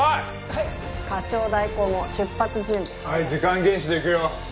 はい時間厳守でいくよ。